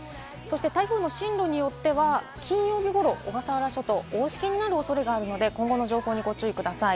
台風の進路によっては金曜日頃、小笠原諸島、大しけになる恐れがあるので、今後の情報にご注意ください。